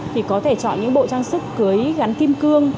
thì có thể chọn những bộ trang sức cưới gắn kim cương